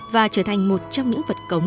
và trở thành một trong những vật cống